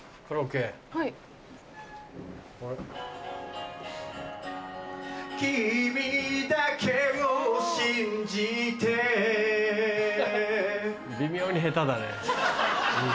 君だけを信じて微妙に下手だね。